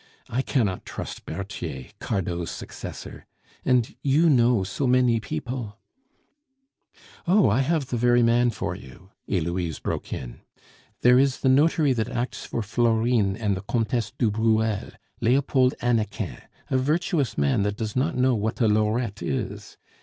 I cannot trust Berthier, Cardot's successor. And you know so many people " "Oh! I have the very man for you," Heloise broke in; "there is the notary that acts for Florine and the Comtesse du Bruel, Leopold Hannequin, a virtuous man that does not know what a lorette is!